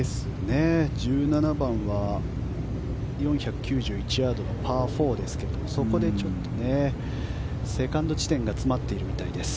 １７番は４９１ヤードのパー４ですがそこでちょっと、セカンド地点が詰まっているみたいです。